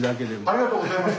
ありがとうございます。